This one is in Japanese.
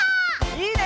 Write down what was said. いいね！